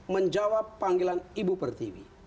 menjawab panggilan ibu pertiwi